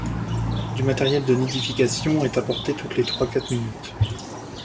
Du matériel de nidification est apporté toutes les trois-quatre minutes.